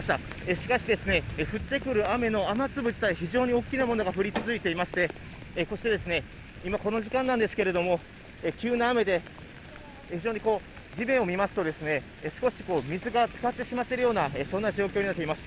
しかしですね、降ってくる雨の雨粒自体、非常に大きなものが降り続いていまして、そして、今この時間なんですけれども、急な雨で非常にこう、地面を見ますと、少し水がつかってしまってるような、そんな状況になっています。